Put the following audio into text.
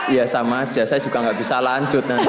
iya sama aja saya juga enggak bisa lanjut nanti